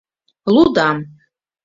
Лудам